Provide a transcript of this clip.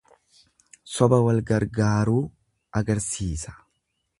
Soba walgargaaruu agarsiisa.